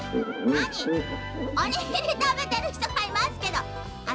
おにぎりたべてるひとがいますけど。